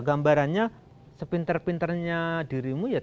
gambarannya sepinter pinternya dirimu